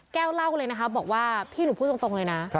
แก้วเล่าเลยนะคะบอกว่าพี่หนูพูดตรงเลยนะ